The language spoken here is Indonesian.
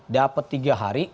dapet tiga hari